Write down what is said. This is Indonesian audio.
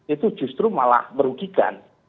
itu justru malah merugikan